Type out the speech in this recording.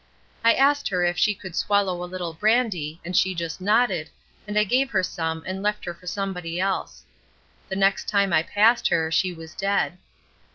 I asked her if she could swallow a little brandy, and she just nodded, and I gave her some and left her for somebody else. The next time I passed her she was dead.